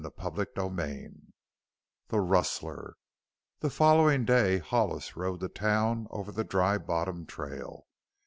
CHAPTER XVII THE RUSTLER The following day Hollis rode to town over the Dry Bottom trail.